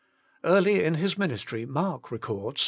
Early in His ministry Mark records (i.